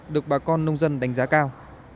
được bà con nông dân đánh giá cao